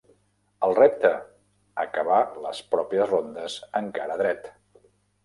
El repte: acabar les pròpies rondes encara dret.